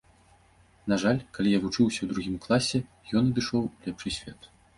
На жаль, калі я вучыўся ў другім класе, ён адышоў у лепшы свет.